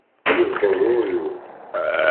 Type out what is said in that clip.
Yeḍbeṛ weɣyul.